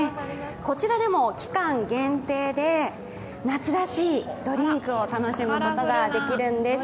こちらでも期間限定で夏らしいドリンクを楽しむことができるんです。